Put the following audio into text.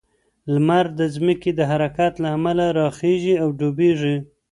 لمر د ځمکې د حرکت له امله راخیژي او ډوبیږي.